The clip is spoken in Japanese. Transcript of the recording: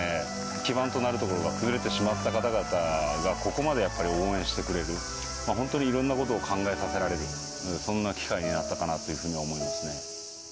基盤となる所が崩れてしまった方々が、ここまでやっぱり応援してくれる、本当にいろんなことを考えさせられる、そんな機会だったかなというふうに思いますね。